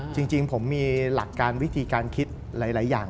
จริงผมมีหลักการวิธีการคิดหลายอย่าง